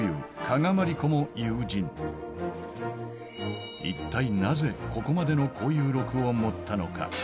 加賀まりこも友人一体なぜここまでの交友録を持ったのか